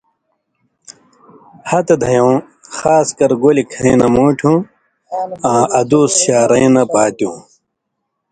ہتہۡ دَھیؤں(خاص کر گولیۡ کھَیں نہ مُوٹھیُوں آں ادوس شارَیں نہ پاتیُوں)۔